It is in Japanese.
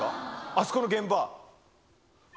あそこの現場。